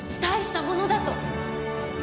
「大したものだ」と。